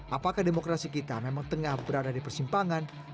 apakah demokrasi kita memang tengah berada di persimpangan